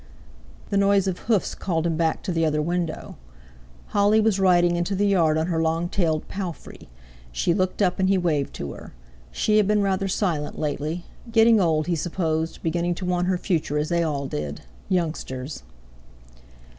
The noise of hoofs called him back to the other window. Holly was riding into the yard on her long tailed "palfrey." She looked up and he waved to her. She had been rather silent lately; getting old, he supposed, beginning to want her future, as they all did—youngsters!